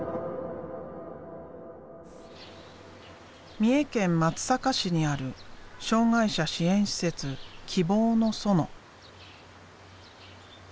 三重県松阪市にある障害者支援施設「希望の園」。